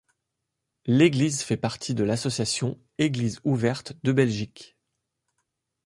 L’église fait partie de l’association ‘’Églises ouvertes’ de Belgique.